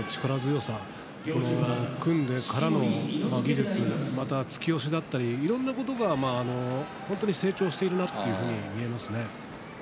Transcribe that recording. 相撲の力強さ組んでからの技術突き押しだったりいろんなことが成長しているなというふうに見えますね。